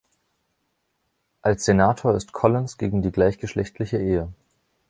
Als Senator ist Collins gegen die gleichgeschlechtliche Ehe.